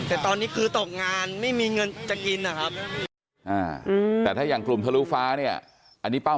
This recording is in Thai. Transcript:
อันนี้เป็นอาชีพาด้วยไหมเรียนครับ